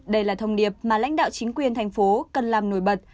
đây là thông điệp mà lãnh đạo chính quyền thành phố cần làm nổi bật